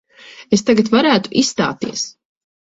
Es tagad varētu izstāties.